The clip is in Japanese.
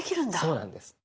そうなんです。